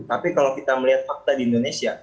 tapi kalau kita melihat fakta di indonesia